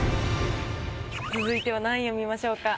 続いては何位を見ましょうか？